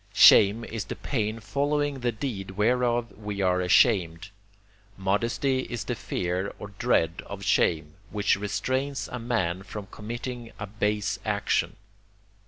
Shame is the pain following the deed whereof we are ashamed. Modesty is the fear or dread of shame, which restrains a man from committing a base action.